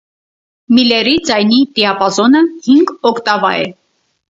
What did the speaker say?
Միլերի ձայնի դիամազոնը հինգ օկտավա է։